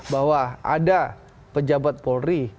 bahwa ada pejabat polri